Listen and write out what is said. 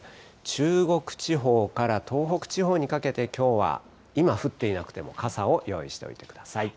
中国地方から東北地方にかけて、きょうは、今降っていなくても、傘を用意しておいてください。